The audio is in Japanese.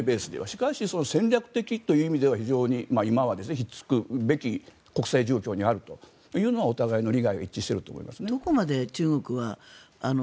しかし、戦略的という意味では非常に今は引っ付くべき国際状況にあるというのはお互いの利害は一致していると思います。